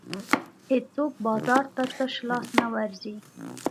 هېڅوک بازار ته تش لاس نه ورځي.